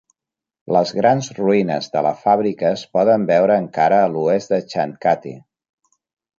Les grans ruïnes de la fàbrica es poden veure encara a l'oest de Chandkati.